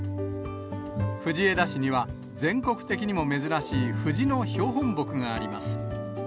藤枝市には、全国的にも珍しいフジの標本木があります。